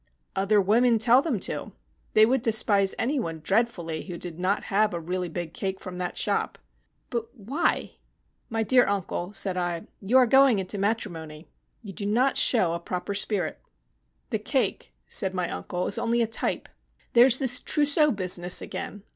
"Other women tell them to. They would despise any one dreadfully who did not have a really big cake from that shop." "But why?" "My dear uncle," said I, "you are going into matrimony. You do not show a proper spirit." "The cake," said my uncle, "is only a type. There is this trousseau business again.